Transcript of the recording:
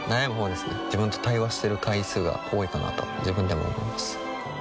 自分と対話してる回数が多いかなとは自分でも思います